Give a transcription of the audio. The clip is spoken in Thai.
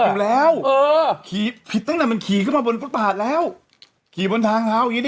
เต็มแล้วเออผิดตั้งแต่มันขี่เข้ามาบนประตาศแล้วขี่บนทางเท้า